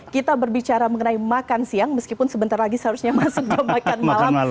kita berbicara mengenai makan siang meskipun sebentar lagi seharusnya masuk jam makan malam